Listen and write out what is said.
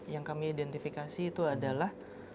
yang kami identifikasi itu adalah